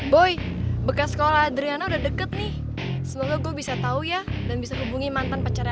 boy bekas sekolah adriana udah deket nih semoga gue bisa tahu ya dan bisa hubungi mantan pacarnya